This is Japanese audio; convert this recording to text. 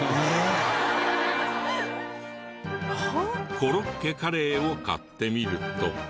コロッケカレーを買ってみると。